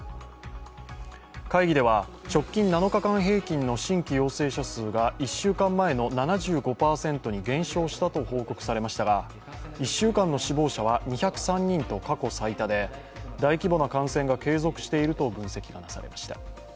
会議では直近７日間平均の新規陽性者数が１週間前の７５％に減少したと報告されましたが１週間の死亡者は２０３人と過去最多で大規模な感染が継続していると分析されました。